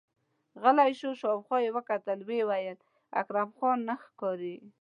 غلی شو، شاوخوا يې وکتل، ويې ويل: اکرم خان نه ښکاري!